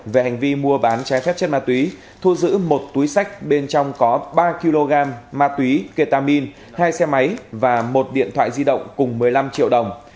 về hành vi mua bán trái phép chất ma túy thu giữ một túi sách bên trong có ba kg ma túy ketamin hai xe máy và một điện thoại di động cùng một mươi năm triệu đồng